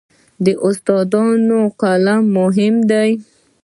د استادانو قلم مهم دی.